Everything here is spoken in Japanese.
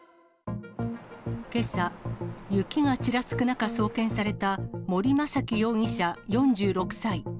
けさ、雪がちらつく中、送検された森雅紀容疑者４６歳。